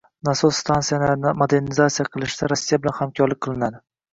Nasos stansiyalarini modernizatsiya qilishda Rossiya bilan hamkorlik qilinadi